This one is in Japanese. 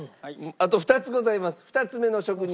あと２つございます。